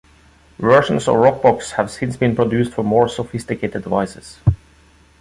Versions of Rockbox have since been produced for more sophisticated devices.